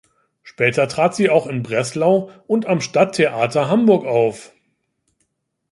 Später trat sie auch in Breslau und am Stadt-Theater Hamburg auf.